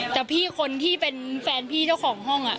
แต่พี่คนที่เป็นแฟนพี่เจ้าของห้อง